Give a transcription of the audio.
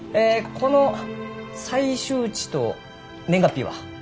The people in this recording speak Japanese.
この採集地と年月日は？